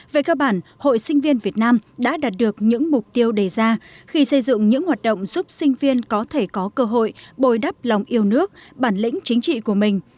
về cơ bản hội sinh viên việt nam đã đạt được những mục tiêu đề ra khi xây dựng những hoạt động giúp sinh viên có thể có cơ hội bồi đắp lòng yêu nước bản lĩnh chính trị của mình